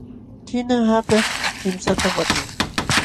Ćhina hakaśh kimsatam waćhan.